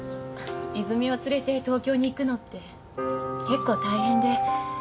泉を連れて東京に行くのって結構大変で。